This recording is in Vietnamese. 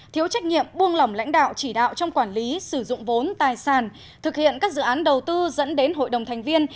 thiếu trách nhiệm buông lỏng lãnh đạo chỉ đạo trong quản lý sử dụng vốn tài sản thực hiện các dự án đầu tư dẫn đến hội đồng thành viên